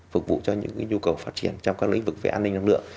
phục vụ cho những nhu cầu phát triển trong các lĩnh vực về an ninh năng lượng